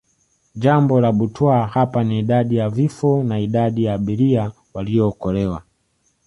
Jambo la butwaa hapa ni Idadi ya vifo na idadi ya abiria waliookolewa